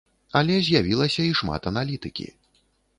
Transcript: Але з'явілася і шмат аналітыкі.